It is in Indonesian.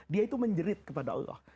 dia itu menjerit kepada allah